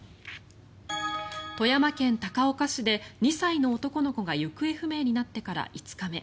富山県高岡市で２歳の男の子が行方不明になってから５日目。